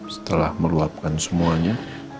setelah meluapkan semuanya